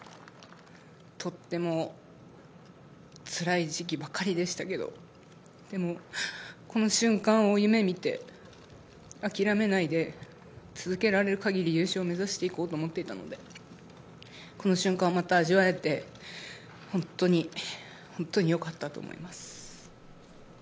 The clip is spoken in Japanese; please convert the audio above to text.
とってもつらい時期ばかりでしたけれど、この瞬間を夢見て、諦めないで続けられる限り、優勝を目指して行こうと思っていたので、この瞬間をまた味わえて、本当に本当によかったと思います。